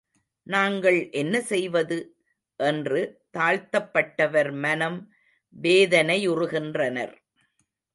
நாங்கள் என்ன செய்வது? என்று தாழ்த்தப்பட்டவர் மனம் வேதனையுறுகின்றனர்.